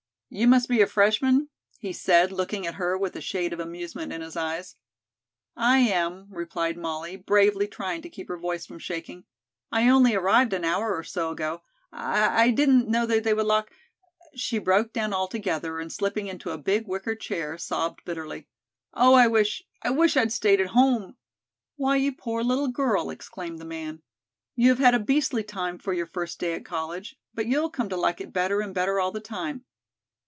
"You must be a freshman?" he said looking at her with a shade of amusement in his eyes. "I am," replied Molly, bravely trying to keep her voice from shaking. "I only arrived an hour or so ago. I I didn't know they would lock " She broke down altogether and slipping into a big wicker chair sobbed bitterly. "Oh, I wish I wish I'd stayed at home." "Why, you poor little girl," exclaimed the man. "You have had a beastly time for your first day at college, but you'll come to like it better and better all the time.